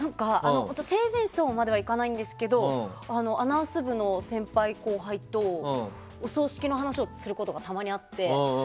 生前葬まではいかないんですけどアナウンス部の先輩・後輩とお葬式の話をすることがたまにあって。